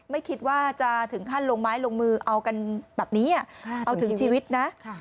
ไม่คิดว่าจะถึงขั้นลงไม้ลงมือเอากันแบบนี้เอาถึงชีวิตนะ